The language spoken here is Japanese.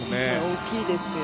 大きいですよ。